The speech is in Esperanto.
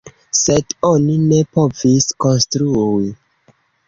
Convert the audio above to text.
Sed oni ne povis konstrui.